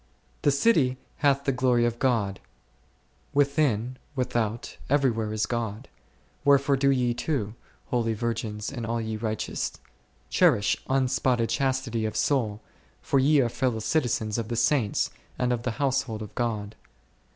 The city hath the glory of God ; within, with out, everywhere is God ; wherefore do ye too, holy virgins and all ye righteous, cherish unspotted chastity of soul, for ye are fellow citizens of the Saints, and of the household of God?.